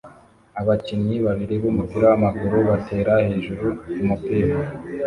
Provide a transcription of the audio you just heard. Abakinnyi babiri bumupira wamaguru batera hejuru kumupira